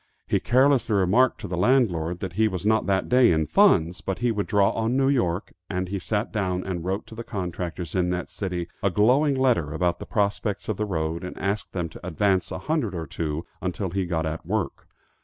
He carelessly remarked to the landlord that he was not that day in funds, but he would draw on New York, and he sat down and wrote to the contractors in that city a glowing letter about the prospects of the road, and asked them to advance a hundred or two, until he got at work.